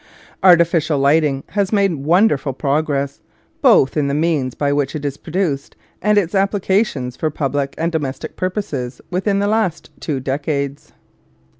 Artificial lighting has made wonderful prog ress, both in the means by which it is produced and its applications for public and domestic purposes, within the last two decades.